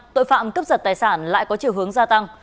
tội phạm cướp giật tài sản lại có chiều hướng gia tăng